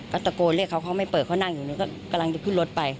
ก็ตะโกนเรียกเขาเขาไม่เปิดเขานั่งอยู่นี่ก็กำลังจะขึ้นรถไป